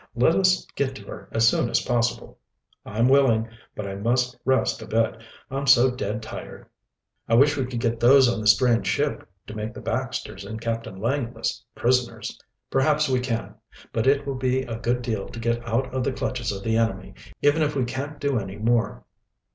Let us get to her as soon as possible." "I'm willing. But I must rest a bit, I'm so dead tired." "I wish we could get those on the strange ship to make the Baxters and Captain Langless prisoners." "Perhaps we can. But it will be a good deal to get out of the clutches of the enemy, even if we can't do any more."